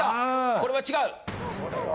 これは違う！